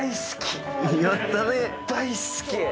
大好き！